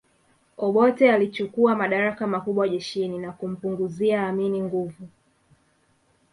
Obote alichukua madaraka makubwa jeshini na kumpunguzia Amin nguvu